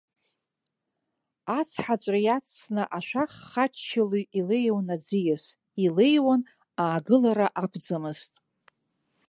Ацҳаҵәры иаҵсны ашәах хаччыло илеиуан аӡиас, илеиуан, аагылара ақәӡамызт.